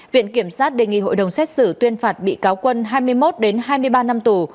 viện kiểm sát đề nghị hội đồng xét xử tuyên phạt bị cáo quân hai mươi một hai mươi ba năm tù